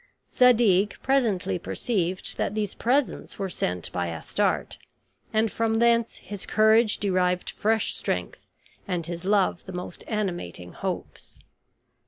Zadig presently perceived that these presents were sent by Astarte; and from thence his courage derived fresh strength, and his love the most animating hopes.